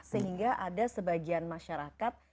sehingga ada sebagian masyarakat